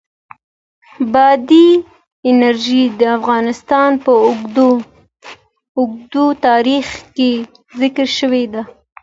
بادي انرژي د افغانستان په اوږده تاریخ کې ذکر شوې ده.